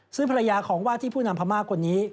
ซึ่งภรรยาของว่าที่ผู้นำพม่าคนนี้